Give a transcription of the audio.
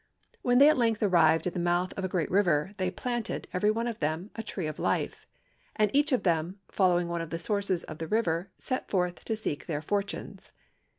When they at length arrived at the mouth of a great river, they planted, every one of them, a tree of life; and each of them, following one of the sources of the river, set forth to seek their fortunes.